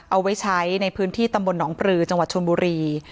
เอาไว้ใช้ในพื้นที่ตำบลหนองปลือจังหวัดชนบุรี